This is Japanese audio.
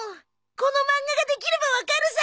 この漫画ができればわかるさ！